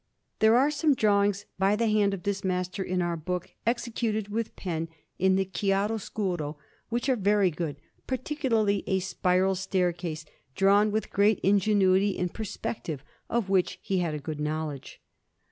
There are some drawings by the hand of this master in our book, executed with the pen and in chiaroscuro, which are very good; particularly a spiral staircase, drawn with great ingenuity in perspective, of which he had a good knowledge.